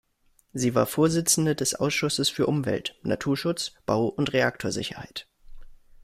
Sie war Vorsitzende des Ausschusses für Umwelt, Naturschutz, Bau und Reaktorsicherheit.